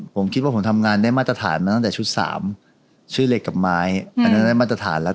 ผมคิดว่าผมทำงานได้มาตรฐานมาตั้งแต่ชุดสามชื่อเหล็กกับไม้อันนั้นได้มาตรฐานแล้ว